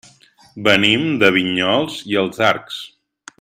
Venim de Vinyols i els Arcs.